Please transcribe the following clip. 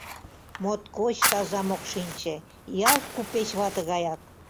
Моткоч таза мокшинче, ялт купеч вате гаяк...